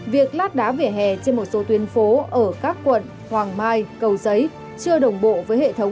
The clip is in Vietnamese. việc lát đá vỉa hè trên một số tuyến phố ở các quận hoàng mai cầu giấy chưa đồng bộ với hệ thống